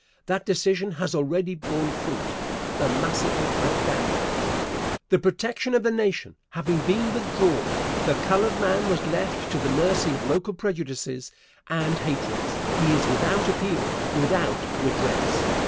That decision has already borne fruit the massacre at Danville. The protection of the Nation having been withdrawn, the colored man was left to the mercy of local prejudices and hatreds. He is without appeal, without redress.